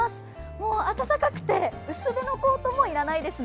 もう暖かくて薄手のコートも要らないですね。